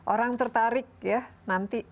orang tertarik ya nanti